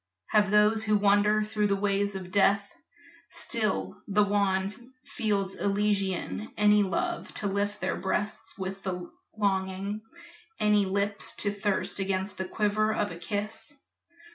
Have those who wander through the ways of death, The still wan fields Elysian, any love To lift their breasts with longing, any lips To thirst against the quiver of a kiss?